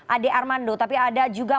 ade armando tapi ada juga